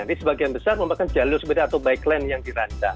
jadi sebagian besar merupakan jalur sepeda atau bike lane yang dirancang